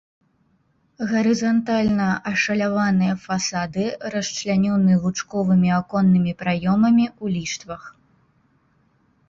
Гарызантальна ашаляваныя фасады расчлянёны лучковымі аконнымі праёмамі ў ліштвах.